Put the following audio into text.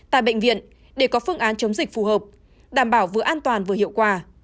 tại bệnh viện để có phương án chống dịch phù hợp đảm bảo vừa an toàn vừa hiệu quả